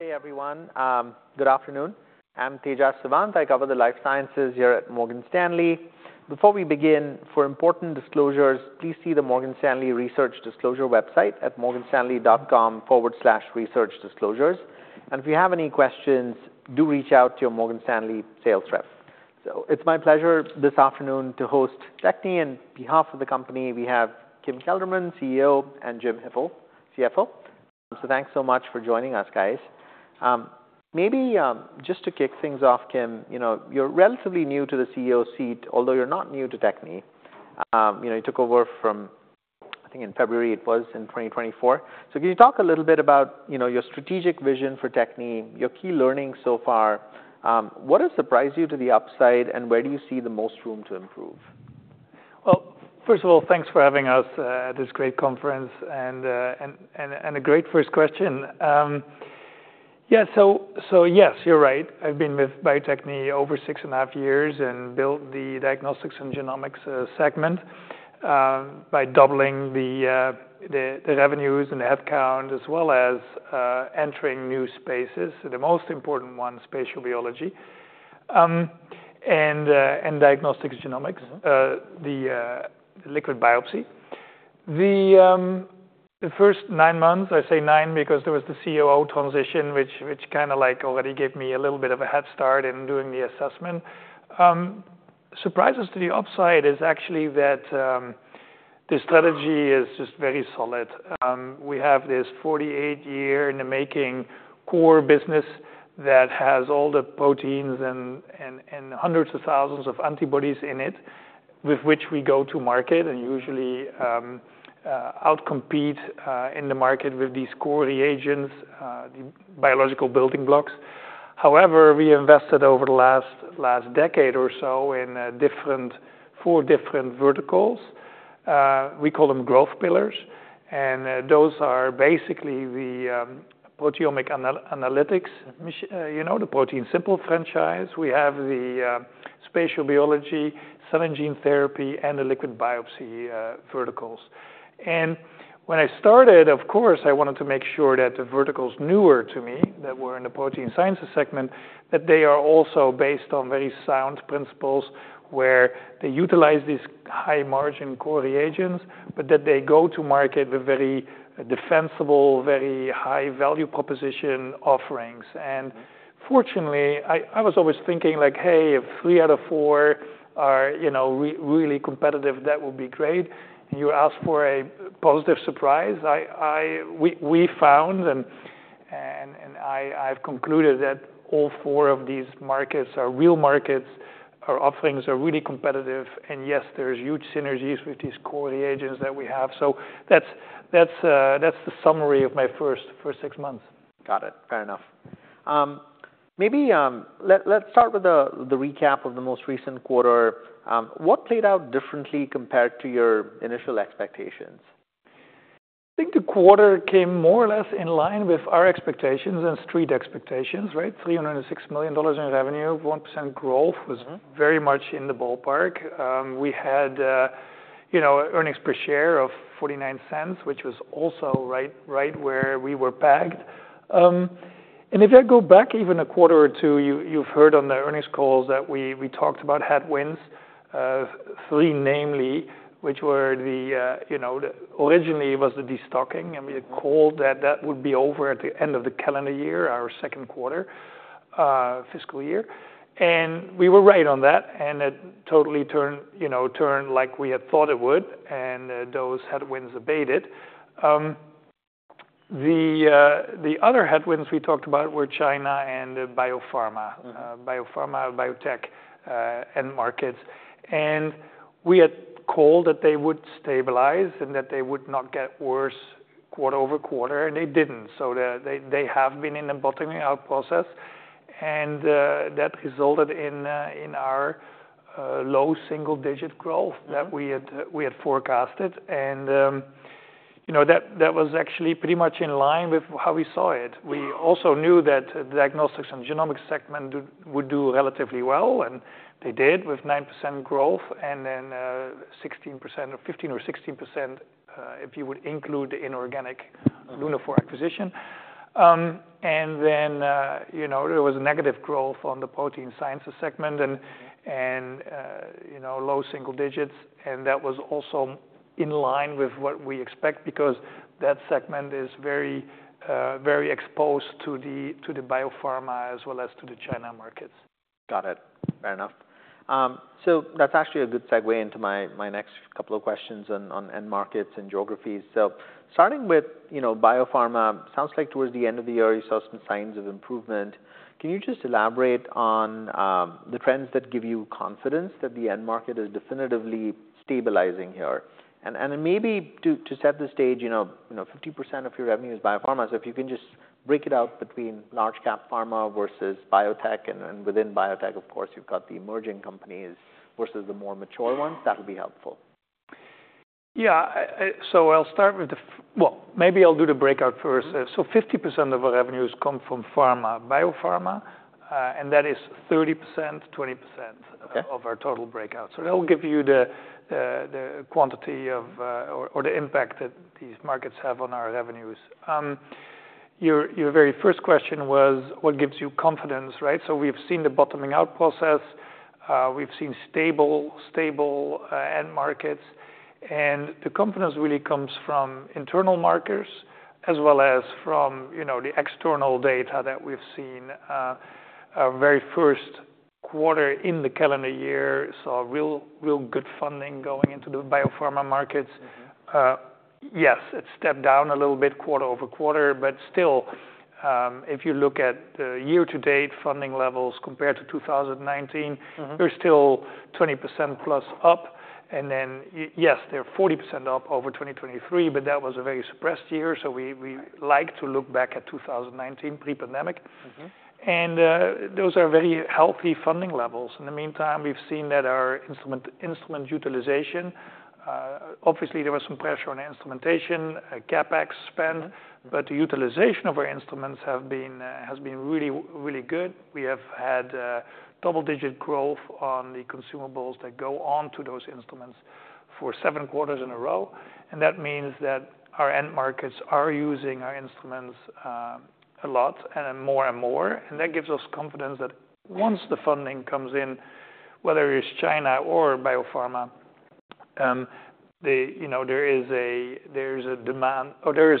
Hey, everyone. Good afternoon. I'm Tejas Savant. I cover the life sciences here at Morgan Stanley. Before we begin, for important disclosures, please see the Morgan Stanley Research Disclosure website at morganstanley.com/researchdisclosures, and if you have any questions, do reach out to your Morgan Stanley sales rep, so it's my pleasure this afternoon to host Techne, on behalf of the company, we have Kim Kelderman, CEO, and Jim Hipple, CFO, so thanks so much for joining us, guys. Maybe, just to kick things off, Kim, you know, you're relatively new to the CEO seat, although you're not new to Techne. You know, you took over from, I think, in February, it was, in 2024, so can you talk a little bit about, you know, your strategic vision for Techne, your key learnings so far? What has surprised you to the upside, and where do you see the most room to improve? First of all, thanks for having us at this great conference, and a great first question. Yeah, so yes, you're right. I've been with Bio-Techne over six and a half years and built the Diagnostics and Genomics segment by doubling the revenues and the headcount, as well as entering new spaces. The most important one, spatial biology, and diagnostics genomics, the liquid biopsy. The first nine months, I say nine because there was the COO transition, which kinda like already gave me a little bit of a head start in doing the assessment. Surprises to the upside is actually that the strategy is just very solid. We have this 48-year in the making core business that has all the proteins and hundreds of thousands of antibodies in it, with which we go to market and usually outcompete in the market with these core reagents, the biological building blocks. However, we invested over the last decade or so in four different verticals. We call them growth pillars, and those are basically the proteomics analytics, you know, the ProteinSimple franchise. We have the spatial biology, cell and gene therapy, and the liquid biopsy verticals. When I started, of course, I wanted to make sure that the verticals newer to me, that were in the Protein Sciences segment, that they are also based on very sound principles, where they utilize these high-margin core reagents, but that they go to market with very defensible, very high value proposition offerings. Fortunately, I was always thinking like, "Hey, if three out of four are, you know, really competitive, that would be great." You asked for a positive surprise. We found and I've concluded that all four of these markets are real markets. Our offerings are really competitive, and yes, there's huge synergies with these core reagents that we have. That's the summary of my first six months. Got it. Fair enough. Maybe, let's start with the recap of the most recent quarter. What played out differently compared to your initial expectations? I think the quarter came more or less in line with our expectations and street expectations, right? $306 million in revenue, 1% growth was very much in the ballpark. We had, you know, earnings per share of $0.49, which was also right, right where we were pegged. And if I go back even a quarter or two, you've heard on the earnings calls that we talked about headwinds, three, namely, which were the, you know, the originally. It was the destocking, and we had called that that would be over at the end of the calendar year, our second quarter, fiscal year. And we were right on that, and it totally turned, you know, like we had thought it would, and those headwinds abated. The other headwinds we talked about were China and the biopharma. Biopharma, biotech, end markets. And we had called that they would stabilize and that they would not get worse quarter over quarter, and they didn't. So they have been in a bottoming out process, and that resulted in our low single digit growth that we had forecasted. And, you know, that was actually pretty much in line with how we saw it. We also knew that the Diagnostics and Genomics segment would do relatively well, and they did, with 9% growth, and then, 16% or 15% or 16%, if you would include inorganic Lunaphore acquisition. And then, you know, there was a negative growth on the Protein Sciences segment and, you know, low single digits. And that was also in line with what we expect because that segment is very, very exposed to the biopharma as well as to the China markets. Got it. Fair enough. So that's actually a good segue into my next couple of questions on end markets and geographies. So starting with, you know, biopharma, sounds like towards the end of the year, you saw some signs of improvement. Can you just elaborate on the trends that give you confidence that the end market is definitively stabilizing here? And maybe to set the stage, you know, 50% of your revenue is biopharma. So if you can just break it out between large cap pharma versus biotech, and within biotech, of course, you've got the emerging companies versus the more mature ones, that would be helpful. Yeah, so I'll start with well, maybe I'll do the breakout first. So 50% of our revenues come from pharma. Biopharma, and that is 30%, 20%. Okay Of our total breakout. So that will give you the quantity of, or the impact that these markets have on our revenues. Your very first question was, what gives you confidence, right? So we've seen the bottoming out process, we've seen stable end markets. And the confidence really comes from internal markers as well as from, you know, the external data that we've seen. Our very first quarter in the calendar year saw good funding going into the biopharma markets. Yes, it stepped down a little bit quarter-over-quarter, but still, if you look at the year-to-date funding levels compared to 2019 they're still 20% plus up. And then, yes, they're 40% up over 2023, but that was a very suppressed year, so we... Right Like to look back at 2019, pre-pandemic. Those are very healthy funding levels. In the meantime, we've seen that our instrument utilization, obviously, there was some pressure on instrumentation, CapEx spend, but the utilization of our instruments has been really, really good. We have had double-digit growth on the consumables that go on to those instruments for seven quarters in a row, and that means that our end markets are using our instruments a lot and more and more. That gives us confidence that once the funding comes in, whether it's China or biopharma, you know, there is a demand or there is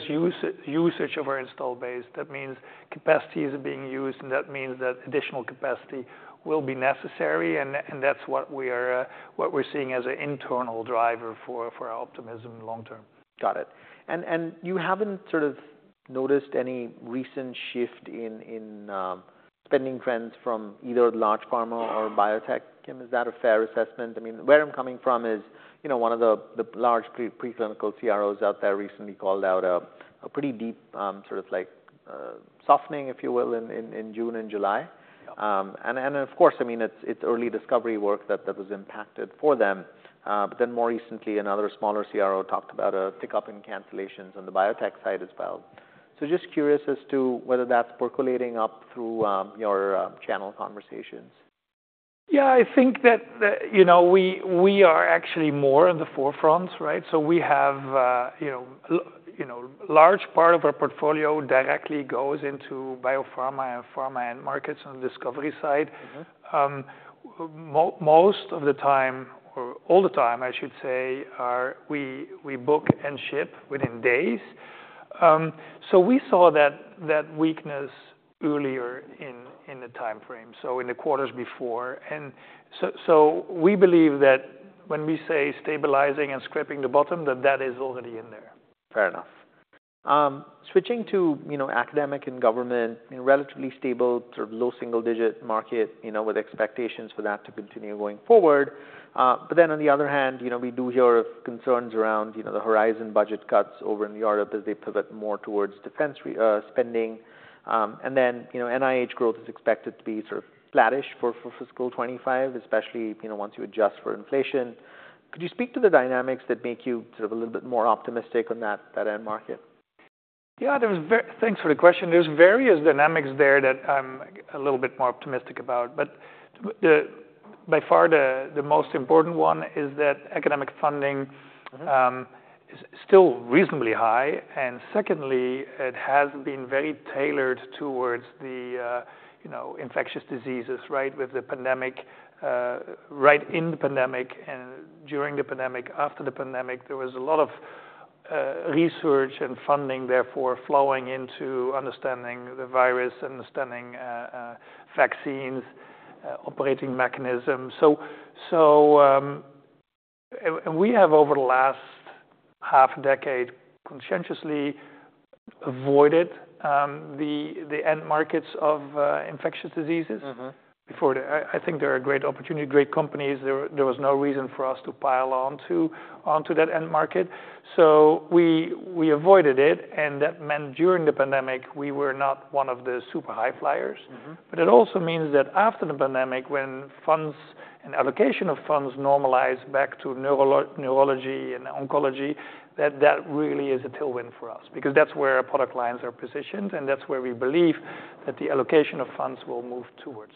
usage of our installed base. That means capacity is being used, and that means that additional capacity will be necessary, and that's what we're seeing as an internal driver for our optimism long term. Got it. And you haven't sort of noticed any recent shift in spending trends from either large pharma or biotech, Kim? Is that a fair assessment? I mean, where I'm coming from is, you know, one of the large preclinical CROs out there recently called out a pretty deep sort of like softening, if you will, in June and July. Yeah. And of course, I mean, it's early discovery work that was impacted for them. But then more recently, another smaller CRO talked about a pickup in cancellations on the biotech side as well. So just curious as to whether that's percolating up through your channel conversations. Yeah, I think that you know, we are actually more in the forefront, right? So we have you know, large part of our portfolio directly goes into biopharma and pharma end markets on the discovery side. Most of the time, or all the time, I should say, we book and ship within days. So we saw that weakness earlier in the time frame, so in the quarters before. So we believe that when we say stabilizing and scraping the bottom, that is already in there. Fair enough. Switching to, you know, academic and government, in relatively stable, sort of low single digit market, you know, with expectations for that to continue going forward. But then on the other hand, you know, we do hear of concerns around, you know, the horizon budget cuts over in Europe as they pivot more towards defense spending. And then, you know, NIH growth is expected to be sort of flattish for fiscal 2025, especially, you know, once you adjust for inflation. Could you speak to the dynamics that make you sort of a little bit more optimistic on that end market? Yeah, thanks for the question. There's various dynamics there that I'm a little bit more optimistic about, but the. By far, the most important one is that academic funding is still reasonably high. And secondly, it has been very tailored towards the, you know, infectious diseases, right, with the pandemic right in the pandemic and during the pandemic, after the pandemic. There was a lot of research and funding, therefore, flowing into understanding the virus, understanding vaccines, operating mechanisms. So, and we have, over the last half decade, conscientiously avoided the end markets of infectious diseases. I think there are great opportunity, great companies. There was no reason for us to pile onto that end market. So we avoided it, and that meant during the pandemic, we were not one of the super high flyers. But it also means that after the pandemic, when funds and allocation of funds normalize back to neurology and oncology, that really is a tailwind for us. Because that's where our product lines are positioned, and that's where we believe that the allocation of funds will move towards.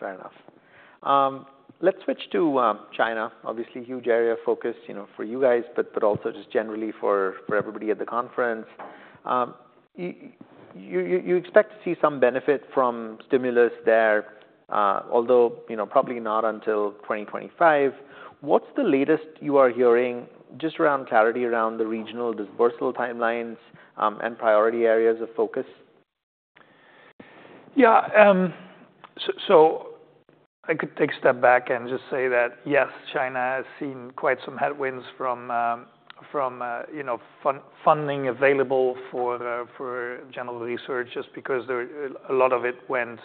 Fair enough. Let's switch to China. Obviously, huge area of focus, you know, for you guys, but also just generally for everybody at the conference. You expect to see some benefit from stimulus there, although, you know, probably not until 2025. What's the latest you are hearing just around clarity, around the regional dispersal timelines, and priority areas of focus? Yeah, so I could take a step back and just say that, yes, China has seen quite some headwinds from, you know, funding available for general research, just because a lot of it went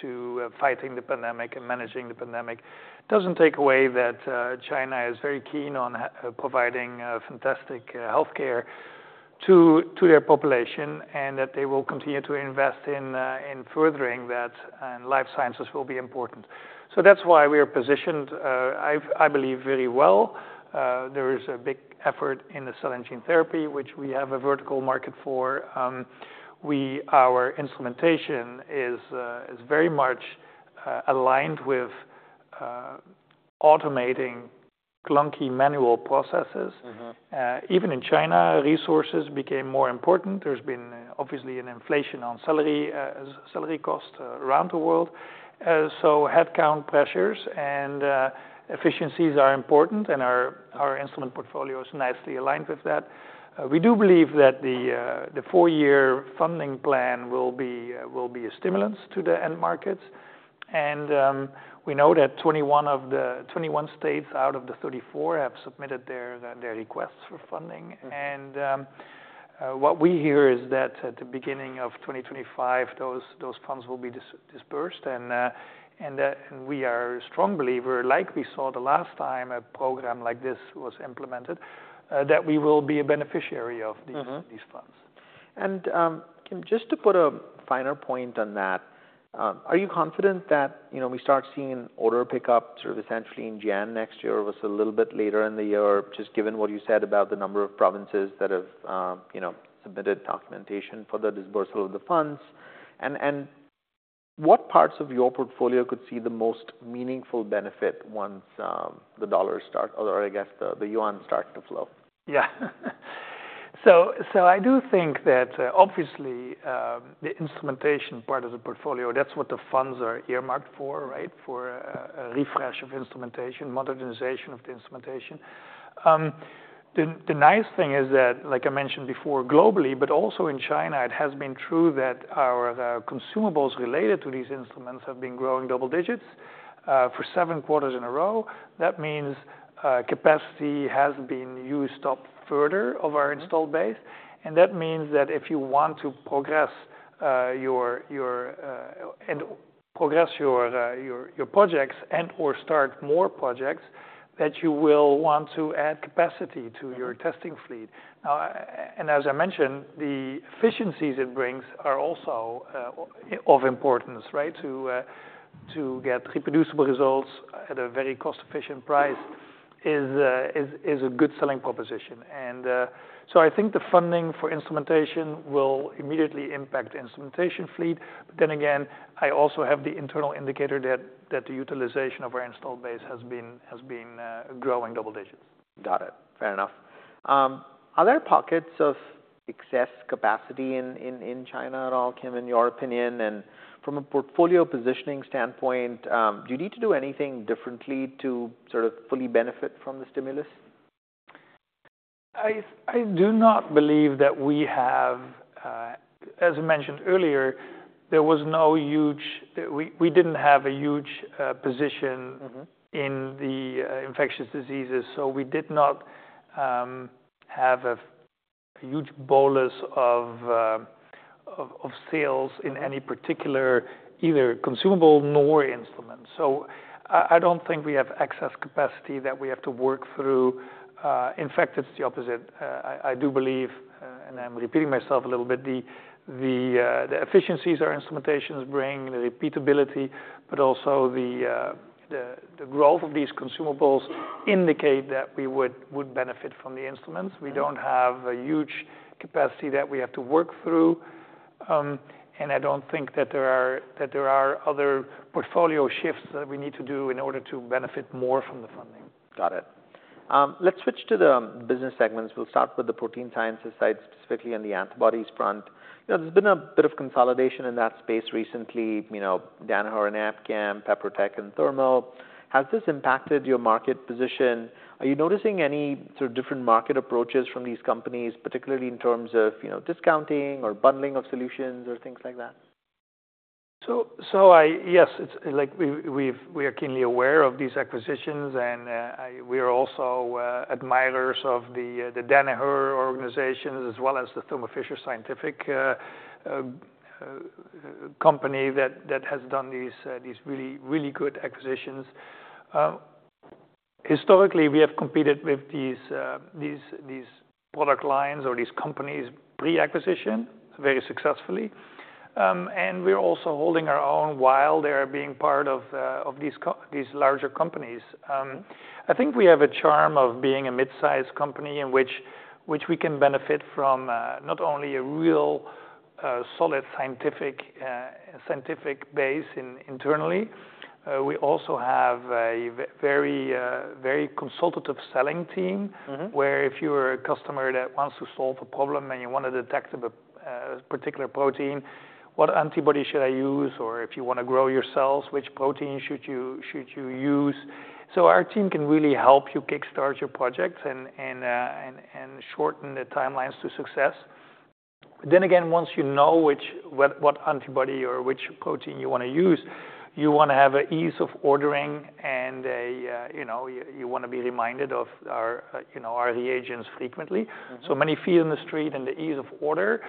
to fighting the pandemic and managing the pandemic. Doesn't take away that China is very keen on providing fantastic healthcare to their population, and that they will continue to invest in furthering that, and life sciences will be important. So that's why we are positioned, I believe, very well. There is a big effort in the cell and gene therapy, which we have a vertical market for. Our instrumentation is very much aligned with automating clunky manual processes. Even in China, resources became more important. There's been, obviously, an inflation on salary, salary costs around the world. So headcount pressures and efficiencies are important, and our instrument portfolio is nicely aligned with that. We do believe that the four-year funding plan will be a stimulus to the end markets. We know that 21 states out of the 34 have submitted their requests for funding. What we hear is that at the beginning of 2025, those funds will be dispersed. We are a strong believer, like we saw the last time a program like this was implemented, that we will be a beneficiary of these funds. Kim, just to put a finer point on that, are you confident that, you know, we start seeing order pickup sort of essentially in January next year, or was it a little bit later in the year? Just given what you said about the number of provinces that have, you know, submitted documentation for the dispersal of the funds. And what parts of your portfolio could see the most meaningful benefit once the dollars start, or I guess, the yuan start to flow? Yeah. So, so I do think that, obviously, the instrumentation part of the portfolio, that's what the funds are earmarked for, right? For, a refresh of instrumentation modernization of the instrumentation. The nice thing is that, like I mentioned before, globally, but also in China, it has been true that our, the consumables related to these instruments have been growing double digits for seven quarters in a row. That means, capacity has been used up further of our installed base, and that means that if you want to progress your projects and/or start more projects, that you will want to add capacity to your testing fleet. And as I mentioned, the efficiencies it brings are also of importance, right? To get reproducible results at a very cost-efficient price is a good selling proposition. And so I think the funding for instrumentation will immediately impact the instrumentation fleet. But then again, I also have the internal indicator that the utilization of our installed base has been growing double digits. Got it. Fair enough. Are there pockets of excess capacity in China at all, Kim, in your opinion? And from a portfolio positioning standpoint, do you need to do anything differently to sort of fully benefit from the stimulus? I do not believe that we have. As I mentioned earlier, there was no huge. We didn't have a huge position in the infectious diseases, so we did not have a huge bolus of sales in any particular, either consumable nor instrument. So I don't think we have excess capacity that we have to work through. In fact, it's the opposite. I do believe, and I'm repeating myself a little bit, the efficiencies our instrumentations bring, the repeatability, but also the growth of these consumables indicate that we would benefit from the instruments. We don't have a huge capacity that we have to work through, and I don't think that there are other portfolio shifts that we need to do in order to benefit more from the funding. Got it. Let's switch to the business segments. We'll start with the Protein Sciences side, specifically on the antibodies front. You know, there's been a bit of consolidation in that space recently, you know, Danaher and Abcam, PeproTech and Thermo. Has this impacted your market position? Are you noticing any sort of different market approaches from these companies, particularly in terms of, you know, discounting or bundling of solutions or things like that? Yes, it's like we are keenly aware of these acquisitions, and we are also admirers of the Danaher organization, as well as the Thermo Fisher Scientific company that has done these really, really good acquisitions. Historically, we have competed with these product lines or these companies pre-acquisition, very successfully. And we're also holding our own while they're being part of these larger companies. I think we have a charm of being a mid-sized company in which we can benefit from not only a real solid scientific base internally. We also have a very consultative selling team where if you are a customer that wants to solve a problem, and you want to detect a particular protein, what antibody should I use? Or if you wanna grow your cells, which protein should you use? So our team can really help you kickstart your project and shorten the timelines to success. Then again, once you know what antibody or which protein you wanna use, you wanna have an ease of ordering and a, you know, you wanna be reminded of our, you know, our agents frequently. So many feet in the street, and the ease of order,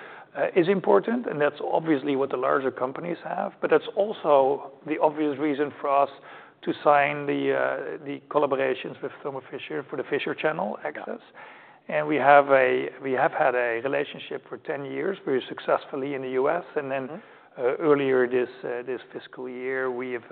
is important, and that's obviously what the larger companies have. But that's also the obvious reason for us to sign the, the collaborations with Thermo Fisher for the Fisher Channel access. Got it. We have had a relationship for 10 years, very successfully in the U.S. And then, earlier this fiscal year, we've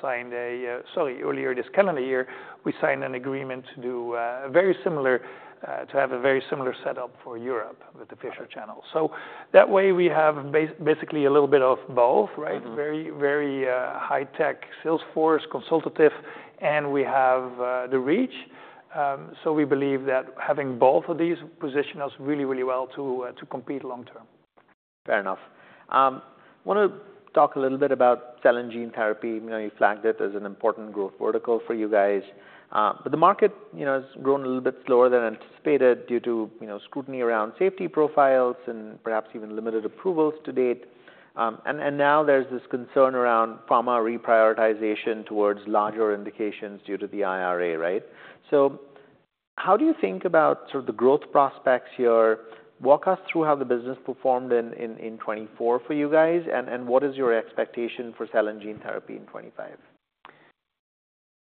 signed a... Sorry, earlier this calendar year, we signed an agreement to do a very similar, to have a very similar setup for Europe. Got it With the Fisher Channel. So that way, we have basically a little bit of both, right? Very, very high-tech sales force, consultative, and we have the reach. So we believe that having both of these position us really, really well to compete long term. Fair enough. Wanna talk a little bit about cell and gene therapy. You know, you flagged it as an important growth vertical for you guys, but the market, you know, has grown a little bit slower than anticipated due to, you know, scrutiny around safety profiles and perhaps even limited approvals to date, and now there's this concern around pharma reprioritization towards larger indications due to the IRA, right? So how do you think about sort of the growth prospects here? Walk us through how the business performed in 2024 for you guys, and what is your expectation for cell and gene therapy in 2025?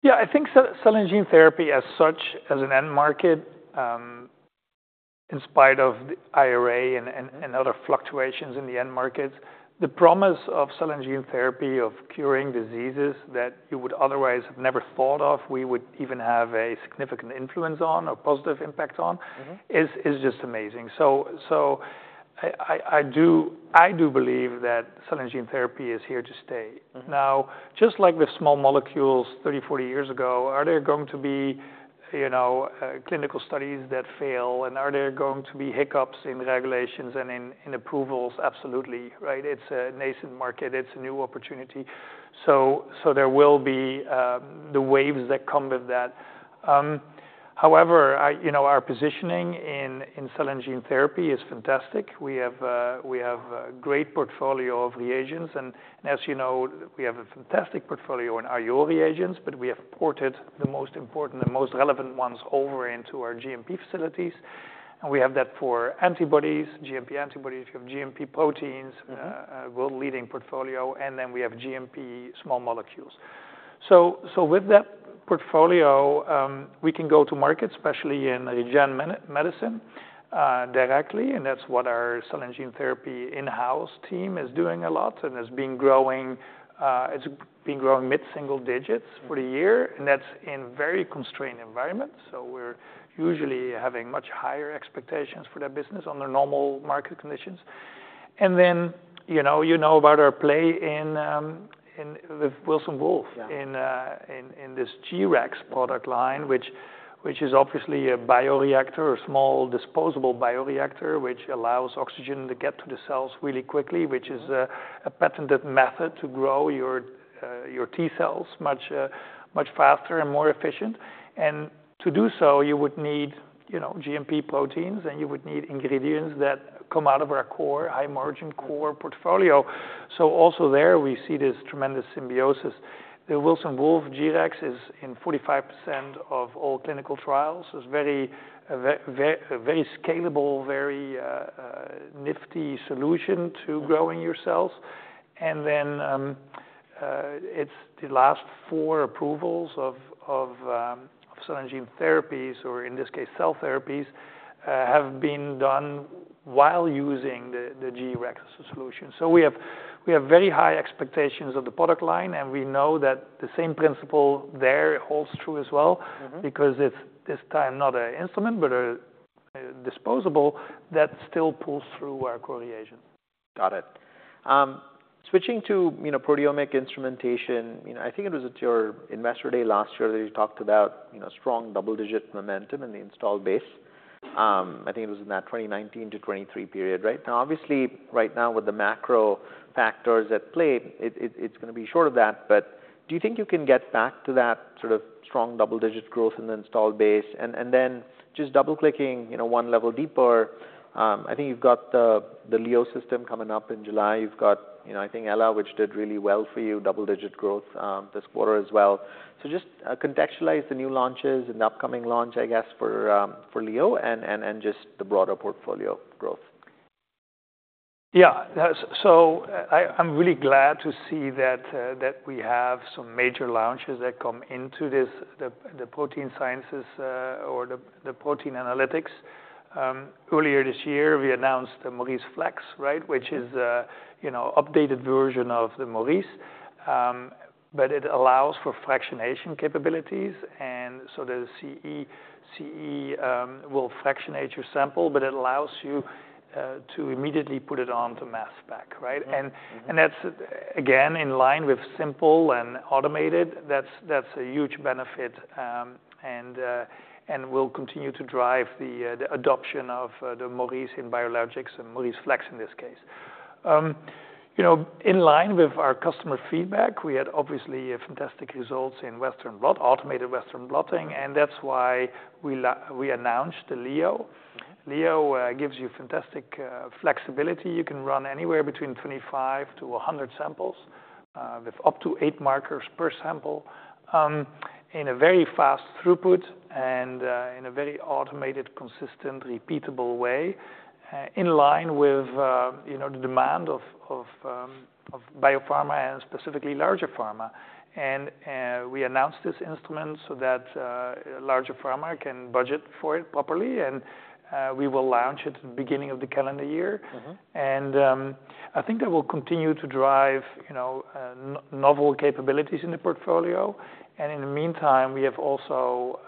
Yeah, I think cell and gene therapy as such, as an end market, in spite of the IRA and other fluctuations in the end markets, the promise of cell and gene therapy of curing diseases that you would otherwise have never thought of, we would even have a significant influence on or positive impact on is just amazing. So, I do believe that cell and gene therapy is here to stay. Now, just like with small molecules 30, 40 years ago, are there going to be, you know, clinical studies that fail, and are there going to be hiccups in the regulations and in approvals? Absolutely. Right? It's a nascent market. It's a new opportunity. So there will be the waves that come with that. However, I... You know, our positioning in cell and gene therapy is fantastic. We have we have a great portfolio of reagents, and as you know, we have a fantastic portfolio in IO reagents, but we have ported the most important and most relevant ones over into our GMP facilities, and we have that for antibodies, GMP antibodies. We have GMP proteins a world-leading portfolio, and then we have GMP small molecules. So with that portfolio, we can go to market, especially in the gene medicine, directly, and that's what our cell and gene therapy in-house team is doing a lot and has been growing. It's been growing mid-single digits for a year, and that's in very constrained environments. So we're usually having much higher expectations for that business under normal market conditions. And then, you know about our play with Wilson Wolf. Yeah In this G-Rex product line, which is obviously a bioreactor or small disposable bioreactor, which allows oxygen to get to the cells really quickly, which is a patented method to grow your T cells much faster and more efficient. And to do so, you would need, you know, GMP proteins, and you would need ingredients that come out of our core, high-margin core portfolio. So also there, we see this tremendous symbiosis. The Wilson Wolf G-Rex is in 45% of all clinical trials, is very very scalable, very nifty solution to growing your cells. And then, it's the last four approvals of cell and gene therapies, or in this case, cell therapies, have been done while using the G-Rex solution. So we have very high expectations of the product line, and we know that the same principle there holds true as well. Because it's this time not an instrument but a disposable that still pulls through our core reagent. Got it. Switching to, you know, proteomic instrumentation, you know, I think it was at your investor day last year that you talked about, you know, strong double-digit momentum in the installed base. I think it was in that 2019 to 2023 period, right? Now, obviously, right now, with the macro factors at play, it, it's gonna be short of that, but do you think you can get back to that sort of strong double-digit growth in the installed base? And then just double-clicking, you know, one level deeper, I think you've got the Leo system coming up in July. You've got, you know, I think Ella, which did really well for you, double-digit growth, this quarter as well. So just contextualize the new launches and the upcoming launch, I guess, for Leo and just the broader portfolio growth. Yeah. So I'm really glad to see that we have some major launches that come into this, the Protein Sciences or the protein analytics. Earlier this year, we announced the MauriceFlex, right, which is a, you know, updated version of the Maurice. But it allows for fractionation capabilities, and so the CE will fractionate your sample, but it allows you to immediately put it on to mass spec, right? That's, again, in line with simple and automated. That's a huge benefit, and will continue to drive the adoption of the Maurice in biologics and MauriceFlex, in this case. You know, in line with our customer feedback, we had obviously fantastic results in Western Blot, automated Western Blotting, and that's why we announced the Leo. Leo gives you fantastic flexibility. You can run anywhere between 25 to 100 samples, with up to eight markers per sample, in a very fast throughput and in a very automated, consistent, repeatable way, in line with you know, the demand of biopharma and specifically larger pharma. We announced this instrument so that larger pharma can budget for it properly, and we will launch it at the beginning of the calendar year. I think that will continue to drive, you know, novel capabilities in the portfolio. In the meantime, we have also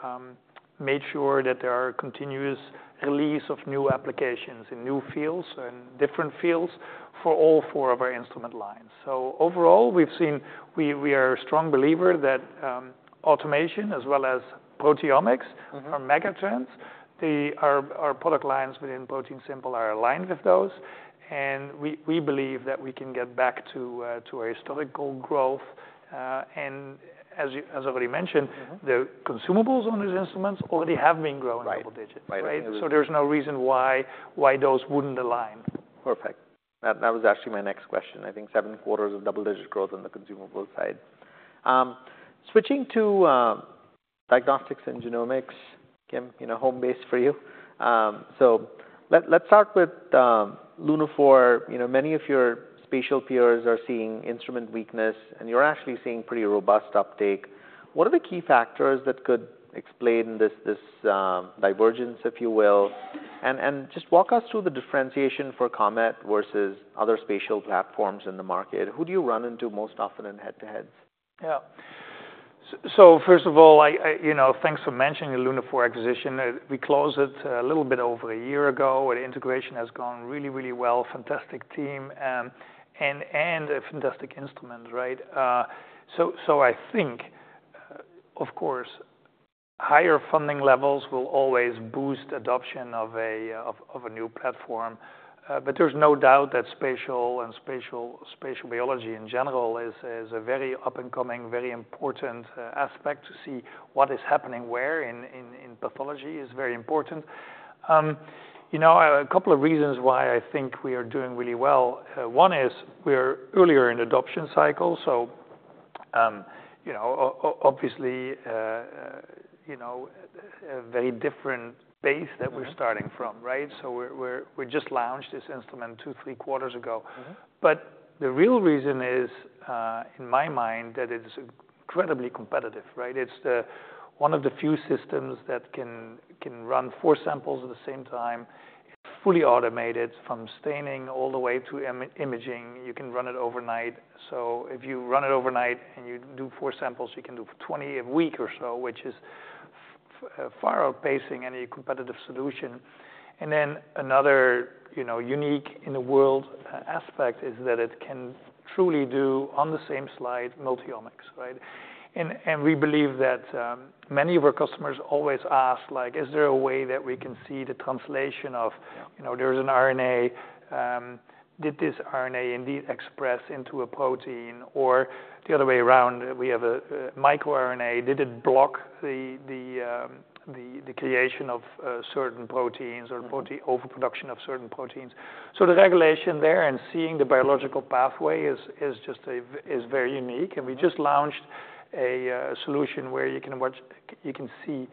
made sure that there are continuous release of new applications in new fields and different fields for all four of our instrument lines. Overall, we've seen... We are a strong believer that automation as well as proteomics are mega trends. Our product lines within ProteinSimple are aligned with those, and we believe that we can get back to a historical growth. And as I've already mentioned the consumables on these instruments already have been growing double digits. Right. Right? So there's no reason why those wouldn't align. Perfect. That was actually my next question. I think seven quarters of double-digit growth on the consumable side. Switching to Diagnostics and Genomics, Kim, you know, home base for you. So let's start with Lunaphore. You know, many of your spatial peers are seeing instrument weakness, and you're actually seeing pretty robust uptake. What are the key factors that could explain this divergence, if you will? And just walk us through the differentiation for COMET versus other spatial platforms in the market. Who do you run into most often in head-to-heads? Yeah. So first of all, I, you know, thanks for mentioning the Lunaphore acquisition. We closed it a little bit over a year ago, and integration has gone really, really well. Fantastic team, and a fantastic instrument, right? So I think, of course, higher funding levels will always boost adoption of a new platform. But there's no doubt that spatial biology, in general, is a very up-and-coming, very important aspect. To see what is happening where in pathology is very important. You know, a couple of reasons why I think we are doing really well. One is we're earlier in the adoption cycle, so, you know, obviously, you know, a very different base that we're starting from, right? So we're, we just launched this instrument two, three quarters ago. But the real reason is, in my mind, that it's incredibly competitive, right? It's one of the few systems that can run four samples at the same time. It's fully automated from staining all the way to imaging. You can run it overnight. So if you run it overnight and you do four samples, you can do 20 a week or so, which is far outpacing any competitive solution. And then another, you know, unique in the world aspect is that it can truly do on the same slide multiomics, right? And we believe that many of our customers always ask, like: Is there a way that we can see the translation of. Yeah You know, there's an RNA, did this RNA indeed express into a protein? Or the other way around, we have a microRNA, did it block the creation of certain proteins or protein, overproduction of certain proteins? The regulation there and seeing the biological pathway is just a very unique. And we just launched a solution where you can see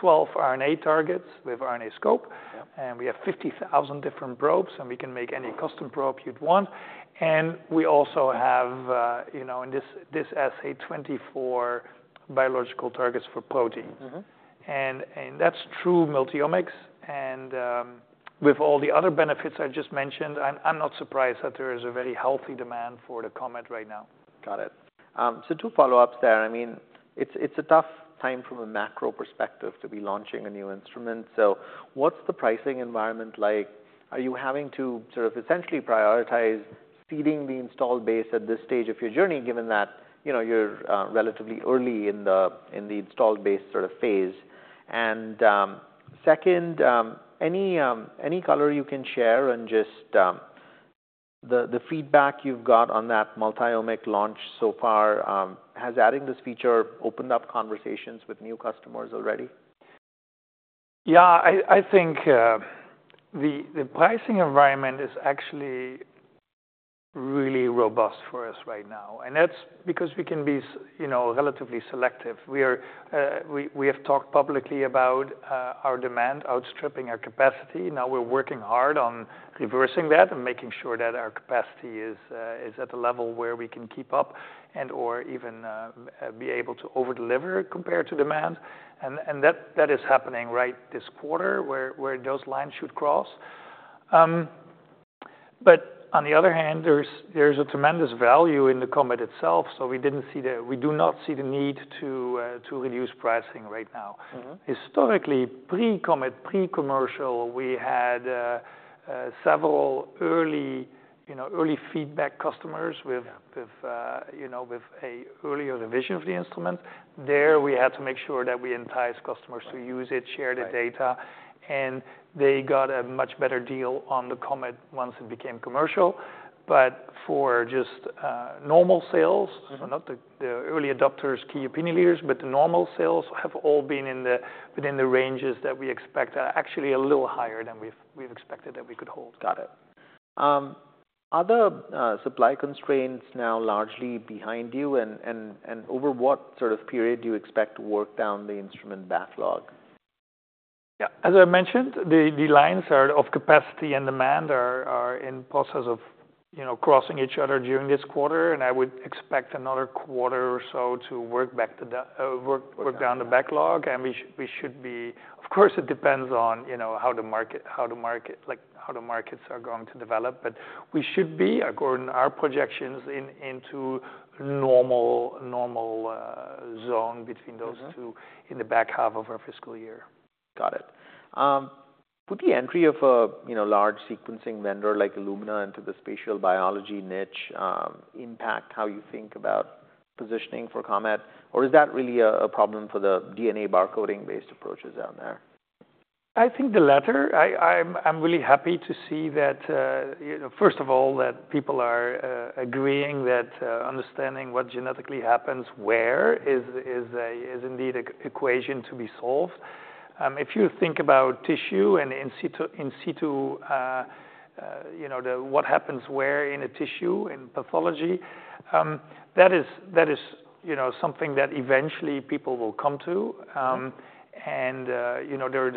12 RNA targets with RNAscope. Yeah. We have 50,000 different probes, and we can make any custom probe you'd want. We also have, you know, in this assay, 24 biological targets for proteins. That's true multiomics, and with all the other benefits I just mentioned, I'm not surprised that there is a very healthy demand for the Comet right now. Got it. So two follow-ups there. I mean, it's a tough time from a macro perspective to be launching a new instrument. So what's the pricing environment like? Are you having to sort of essentially prioritize feeding the installed base at this stage of your journey, given that, you know, you're relatively early in the installed base sort of phase? And second, any color you can share and just the feedback you've got on that multiomic launch so far, has adding this feature opened up conversations with new customers already? Yeah, I think the pricing environment is actually really robust for us right now, and that's because we can be you know, relatively selective. We are we have talked publicly about our demand outstripping our capacity. Now, we're working hard on reversing that and making sure that our capacity is at a level where we can keep up and/or even be able to overdeliver compared to demand. And that is happening right this quarter, where those lines should cross. But on the other hand, there's a tremendous value in the COMET itself, so we didn't see the. We do not see the need to reduce pricing right now. Historically, pre-COMET, pre-commercial, we had several early, you know, early feedback customers with- Yeah With, you know, with an earlier revision of the instrument. There, we had to make sure that we entice customers to use it. Right Share the data. Right. And they got a much better deal on the Comet once it became commercial. But for just, normal sales not the early adopters, key opinion leaders, but the normal sales have all been within the ranges that we expect. Actually a little higher than we've expected that we could hold. Got it. Are the supply constraints now largely behind you, and over what sort of period do you expect to work down the instrument backlog? Yeah. As I mentioned, the lines of capacity and demand are in process of, you know, crossing each other during this quarter, and I would expect another quarter or so to work back the work. Yeah Work down the backlog, and we should be. Of course, it depends on, you know, how the market, like, how the markets are going to develop. But we should be, according to our projections, into normal zone between those two in the back half of our fiscal year. Got it. Would the entry of a, you know, large sequencing vendor like Illumina into the spatial biology niche, impact how you think about positioning for Comet? Or is that really a, a problem for the DNA barcoding-based approaches out there? I think the latter. I'm really happy to see that, you know, first of all, that people are agreeing that understanding what genetically happens where is indeed an equation to be solved. If you think about tissue and in situ, you know, what happens where in a tissue, in pathology, that is, you know, something that eventually people will come to. And you know, there's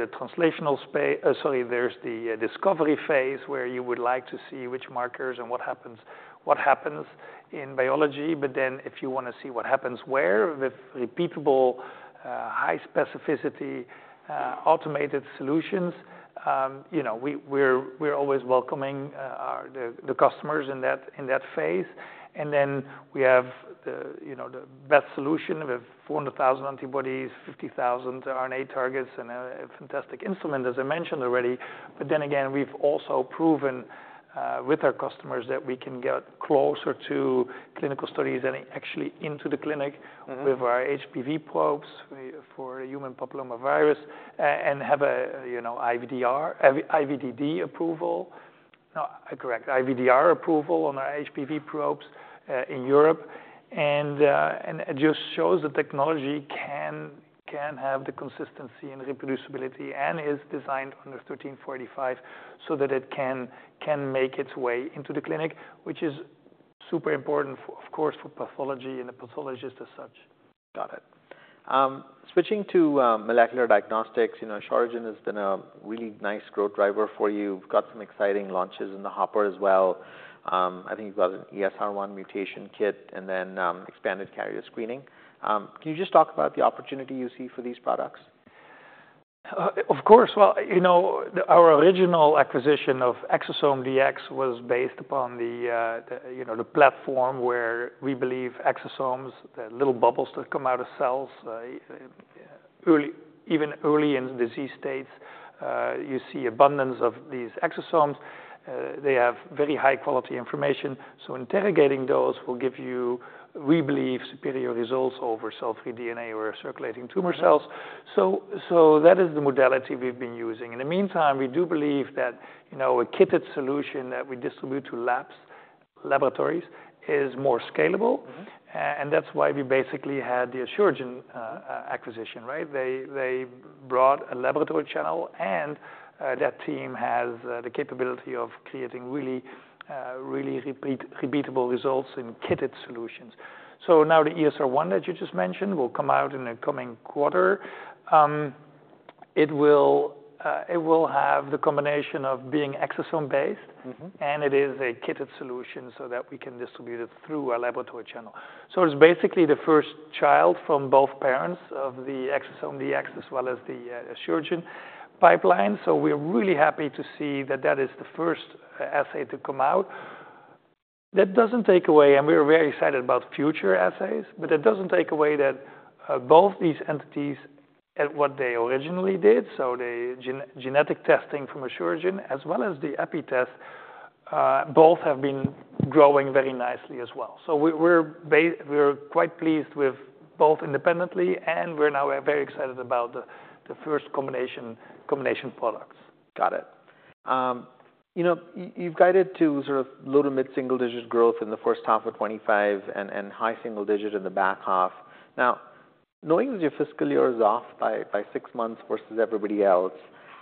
the discovery phase, where you would like to see which markers and what happens in biology. But then, if you wanna see what happens where, with repeatable, high specificity, automated solutions, you know, we're always welcoming our customers in that phase. And then we have you know, the best solution. We have 400,000 antibodies, 50,000 RNA targets, and a fantastic instrument, as I mentioned already. But then again, we've also proven with our customers that we can get closer to clinical studies and actually into the clinic with our HPV probes for human papillomavirus, and have a, you know, IVDR, IVDD approval. Correct, IVDR approval on our HPV probes in Europe. And it just shows the technology can have the consistency and reproducibility, and is designed under 13485, so that it can make its way into the clinic, which is super important for, of course, for pathology and the pathologist as such. Got it. Switching to molecular diagnostics, you know, Asuragen has been a really nice growth driver for you. Got some exciting launches in the hopper as well. I think you've got an ESR1 mutation kit and then expanded carrier screening. Can you just talk about the opportunity you see for these products? Of course. Well, you know, our original acquisition of Exosome DX was based upon the, the, you know, the platform where we believe exosomes, the little bubbles that come out of cells, early. Even early in disease states, you see abundance of these exosomes. They have very high-quality information, so interrogating those will give you, we believe, superior results over cell-free DNA or circulating tumor cells. So that is the modality we've been using. In the meantime, we do believe that, you know, a kitted solution that we distribute to labs, laboratories, is more scalable. And that's why we basically had the Asuragen acquisition, right? They brought a laboratory channel, and that team has the capability of creating really repeatable results in kitted solutions. So now the ESR1 that you just mentioned will come out in the coming quarter. It will have the combination of being exosome-based and it is a kitted solution, so that we can distribute it through our laboratory channel. So it's basically the first child from both parents of the Exosome Diagnostics as well as the Asuragen pipeline. So we're really happy to see that that is the first assay to come out. That doesn't take away, and we are very excited about future assays, but that doesn't take away that both these entities and what they originally did. So the genetic testing from Asuragen, as well as the ExoDx Prostate Test, both have been growing very nicely as well. So we, we're quite pleased with both independently, and we're now very excited about the first combination products. Got it. You know, you've guided to sort of low- to mid-single-digit growth in the first half of 2025 and high single-digit in the back half. Now, knowing that your fiscal year is off by six months versus everybody else,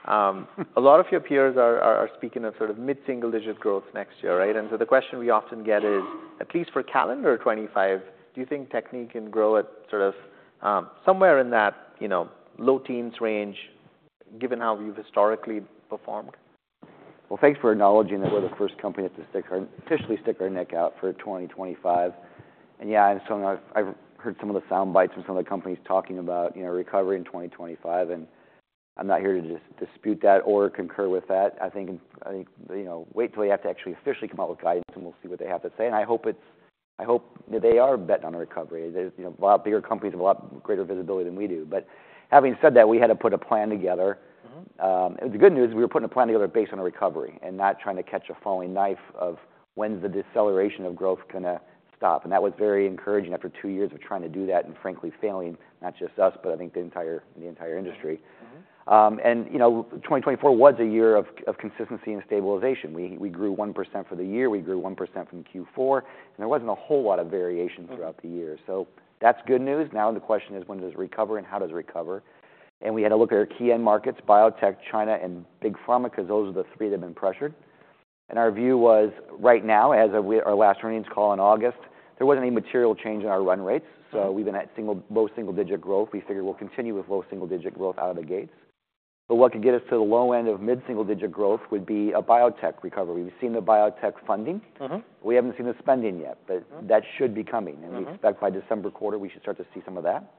a lot of your peers are speaking of sort of mid-single-digit growth next year, right? And so the question we often get is, at least for calendar 2025, do you think Bio-Techne can grow at sort of somewhere in that, you know, low teens range, given how you've historically performed? Thanks for acknowledging that we're the first company to stick our neck out, officially stick our neck out for 2025. And yeah, I'm certain I've heard some of the soundbites from some of the companies talking about, you know, recovery in 2025, and I'm not here to just dispute that or concur with that. I think, you know, wait till we have to actually officially come out with guidance, and we'll see what they have to say. I hope that they are betting on a recovery. There are, you know, a lot bigger companies that have a lot greater visibility than we do. But having said that, we had to put a plan together. And the good news, we were putting a plan together based on a recovery and not trying to catch a falling knife of when's the deceleration of growth gonna stop. And that was very encouraging after two years of trying to do that and frankly, failing, not just us, but I think the entire industry. And, you know, 2024 was a year of consistency and stabilization. We grew 1% for the year, we grew 1% from Q4, and there wasn't a whole lot of variation throughout the year, so that's good news. Now the question is, when does it recover and how does it recover? We had to look at our key end markets, biotech, China, and big pharma, 'cause those are the three that have been pressured. Our view was, right now, as of our last earnings call in August, there wasn't any material change in our run rates. So we've been at low single-digit growth. We figure we'll continue with low single-digit growth out of the gate. But what could get us to the low end of mid-single-digit growth would be a biotech recovery. We've seen the biotech funding we haven't seen the spending yet, but that should be coming. We expect by December quarter, we should start to see some of that.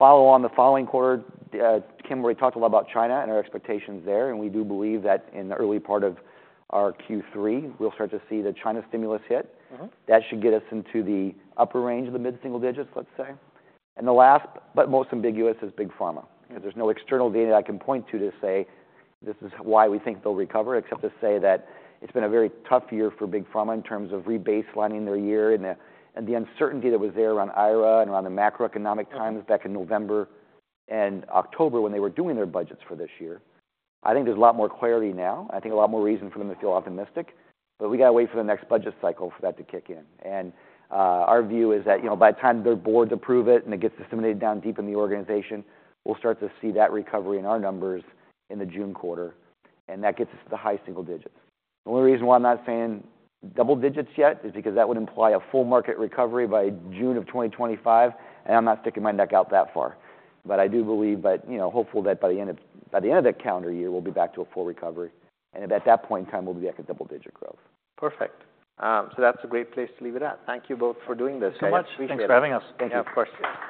Follow on the following quarter, Kim already talked a lot about China and our expectations there, and we do believe that in the early part of our Q3, we'll start to see the China stimulus hit. That should get us into the upper range of the mid-single digits, let's say. And the last, but most ambiguous, is big pharma. There's no external data I can point to, to say, "This is why we think they'll recover," except to say that it's been a very tough year for big pharma in terms of rebaselining their year and the uncertainty that was there around IRA and around the macroeconomic times back in November and October, when they were doing their budgets for this year. I think there's a lot more clarity now, I think a lot more reason for them to feel optimistic, but we got to wait for the next budget cycle for that to kick in. And, our view is that, you know, by the time their boards approve it and it gets assimilated down deep in the organization, we'll start to see that recovery in our numbers in the June quarter, and that gets us to the high single digits. The only reason why I'm not saying double digits yet is because that would imply a full market recovery by June of 2025, and I'm not sticking my neck out that far. But I do believe that, you know, hopeful that by the end of the calendar year, we'll be back to a full recovery, and at that point in time, we'll be back at double digit growth. Perfect. So that's a great place to leave it at. Thank you both for doing this. Thanks so much. I appreciate it. Thanks for having us. Thank you. Yeah, of course.